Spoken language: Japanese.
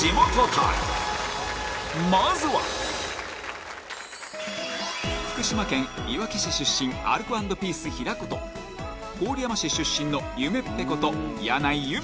まずは福島県いわき市出身アルコ＆ピース平子と郡山市出身のゆめっぺこと箭内夢